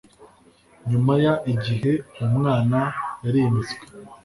Nyuma y igihe uwo mwana yarimitswe